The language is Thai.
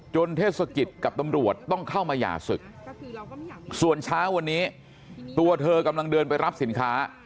เทศกิจกับตำรวจต้องเข้ามาหย่าศึกส่วนเช้าวันนี้ตัวเธอกำลังเดินไปรับสินค้า